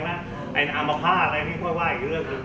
และอามาภาคอะไรนี่เขาว่าอีกเรื่อง